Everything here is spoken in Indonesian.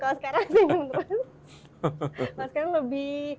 kalau sekarang lebih